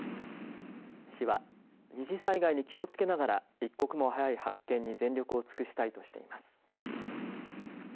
市は二次災害に気をつけながら一刻も早い発見に全力を尽くしたいとしています。